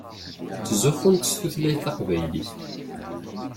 Ttzuxxunt s tutlayt taqbaylit.